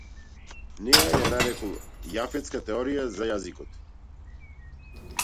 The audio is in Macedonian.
Неа ја нарекол јафетска теорија за јазикот.